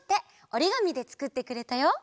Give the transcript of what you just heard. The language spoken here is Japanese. おりがみでつくってくれたよ。